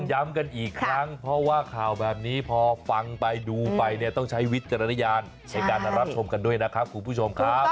ย้ำกันอีกครั้งเพราะว่าข่าวแบบนี้พอฟังไปดูไปเนี่ยต้องใช้วิจารณญาณในการรับชมกันด้วยนะครับคุณผู้ชมครับ